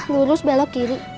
lurus belok kiri